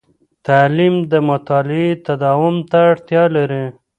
تعلیم د مطالعې تداوم ته اړتیا لري.